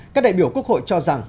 các đại biểu quốc hội cho rằng